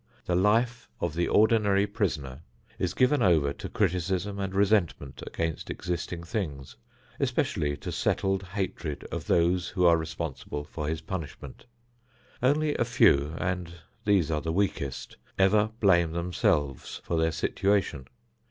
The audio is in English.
The life of the ordinary prisoner is given over to criticism and resentment against existing things, especially to settled hatred of those who are responsible for his punishment. Only a few, and these are the weakest, ever blame themselves for their situation.